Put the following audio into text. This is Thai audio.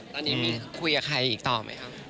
ตอนนี้มีคุยกับใครอีกต่อไหมครับ